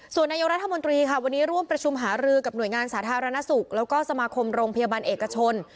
ส่วนนายกรัฐมนตรีค่ะวันนี้ร่วมประชุมหารือกับหน่วยงานสาธารณสุขแล้วก็สมาคมโรงพยาบาลเอกชน